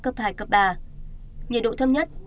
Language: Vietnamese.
cấp hai cấp ba nhiệt độ thấp nhất